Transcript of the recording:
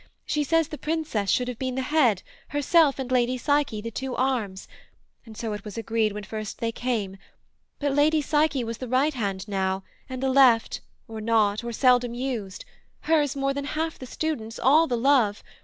She says the Princess should have been the Head, Herself and Lady Psyche the two arms; And so it was agreed when first they came; But Lady Psyche was the right hand now, And the left, or not, or seldom used; Hers more than half the students, all the love.